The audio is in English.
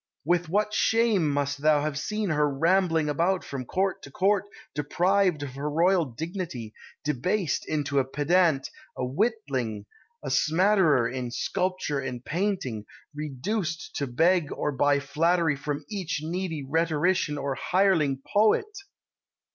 With what shame must thou have seen her rambling about from court to court deprived of her royal dignity, debased into a pedant, a witling, a smatterer in sculpture and painting, reduced to beg or buy flattery from each needy rhetorician or hireling poet!